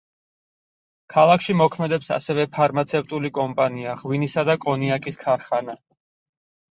ქალაქში მოქმედებს ასევე ფარმაცევტული კომპანია, ღვინისა და კონიაკის ქარხანა.